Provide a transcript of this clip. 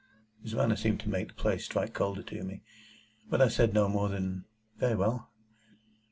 His manner seemed to make the place strike colder to me, but I said no more than, "Very well."